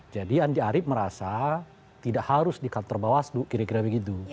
jadi andi arief merasa tidak harus di kantor bawaslu kira kira begitu